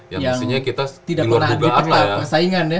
yang pastinya kita di luar dugaan lah ya